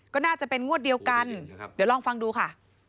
ก็น่าจะเป็นงวดเดียวกันเดี๋ยวลองฟังดูค่ะ